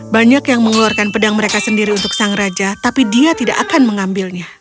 banyak yang mengeluarkan pedang mereka sendiri untuk sang raja tapi dia tidak akan mengambilnya